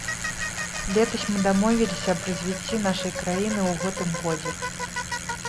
Летась мы дамовіліся аб развіцці нашай краіны ў гэтым годзе.